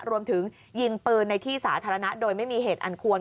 รวมถึงยิงปืนในที่สาธารณะโดยไม่มีเหตุอันควร